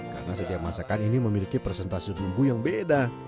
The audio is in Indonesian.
karena setiap masakan ini memiliki presentasi bumbu yang beda